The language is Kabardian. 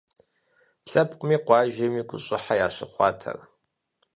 Лъэпкъми къуажэми гущӏыхьэ ящыхъуат ар.